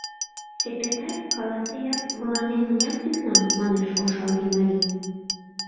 Секретарь, каласе-ян, мыланем мыняр тӱкна? — манеш ошалге марий.